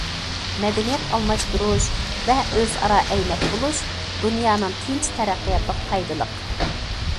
مەدەنىيەت ئالماشتۇرۇش ۋە ئۆزئارا ئەينەك بولۇش دۇنيانىڭ تىنچ تەرەققىياتىغا پايدىلىق.